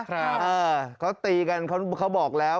เขาตีกันเขาบอกแล้ว